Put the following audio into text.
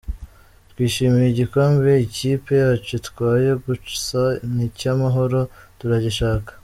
Twishimiye igikombe ikipe yacu itwaye gusa nicyamahoro turagishaka.